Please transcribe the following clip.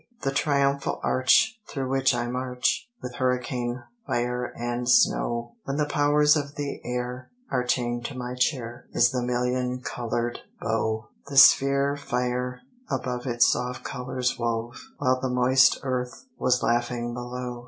The triumphal arch through which I march, With hurricane, fire and snow, When the Powers of the air are chained to my chair, Is the million colored bow; The Sphere fire above its soft colors wove, While the moist Earth was laughing below.